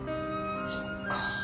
そっか。